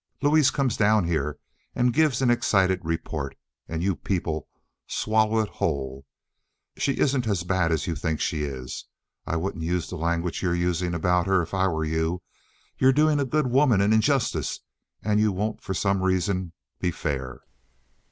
Louise comes down here and gives an excited report, and you people swallow it whole. She isn't as bad as you think she is, and I wouldn't use the language you're using about her if I were you. You're doing a good woman an injustice, and you won't, for some reason, be fair."